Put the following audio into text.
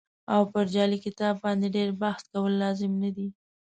او پر جعلي کتاب باندې ډېر بحث کول لازم نه دي.